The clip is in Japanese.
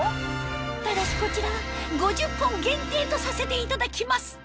ただしこちらは５０本限定とさせていただきます